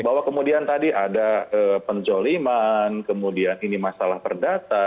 bahwa kemudian tadi ada penzoliman kemudian ini masalah perdata